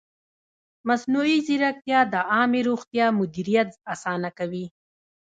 مصنوعي ځیرکتیا د عامې روغتیا مدیریت اسانه کوي.